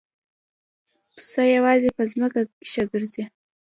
پسه یوازې په ځمکه ښه ګرځي.